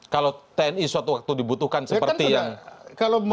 kalau tni suatu waktu dibutuhkan seperti yang dimaksud presiden